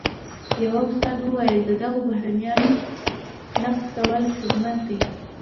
یوه استاد وویل د دغو بهیرونو نقد کول خدمت دی.